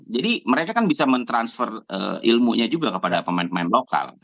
jadi mereka bisa men transfer ilmunya juga kepada pemain pemain lokal